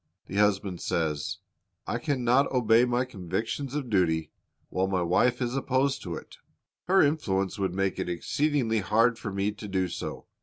The husband says, "I can not obey my convictions of duty while my wife is opposed to it. Her influence would make it exceedingly hard for me to do so."